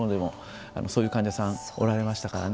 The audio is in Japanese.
そういう患者さんおられましたからね。